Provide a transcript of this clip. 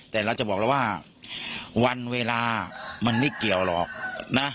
แต่เราจะบอกแล้วว่าวันเวลามันไม่เกี่ยวหรอกนะ